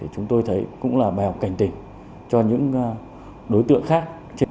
chúng tôi thấy cũng là bèo cảnh tình cho những đối tượng khác